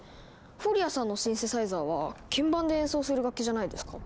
フォリアさんのシンセサイザーは鍵盤で演奏する楽器じゃないですか？